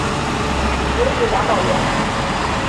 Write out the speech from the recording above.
有子杨葆元。